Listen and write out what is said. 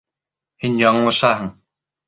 Һин яңылышаһың!..